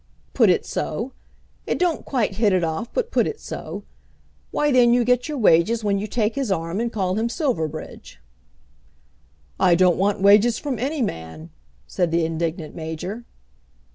"Put it so. It don't quite hit it off, but put it so. Why then you get your wages when you take his arm and call him Silverbridge." "I don't want wages from any man," said the indignant Major.